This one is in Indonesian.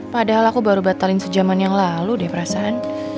padahal aku baru batalin sejaman yang lalu deh perasaan